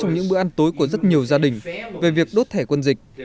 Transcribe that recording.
đã có những bữa ăn tối của rất nhiều gia đình về việc đốt thẻ quân dịch